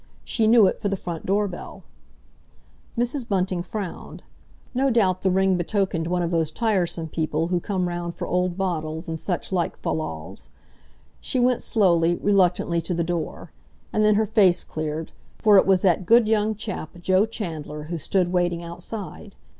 She knew it for the front door bell. Mrs. Bunting frowned. No doubt the ring betokened one of those tiresome people who come round for old bottles and such like fal lals. She went slowly, reluctantly to the door. And then her face cleared, for it was that good young chap, Joe Chandler, who stood waiting outside.